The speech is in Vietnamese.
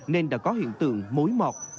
nên đã có hiện tượng mối mọt